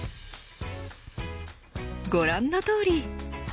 ご覧のとおり。